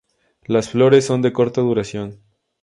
Las flores son de corta duración.